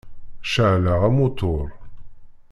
Ceεleɣ amutur.